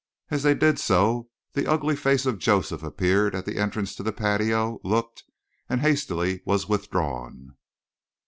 As they did so, the ugly face of Joseph appeared at the entrance to the patio, looked and hastily was withdrawn.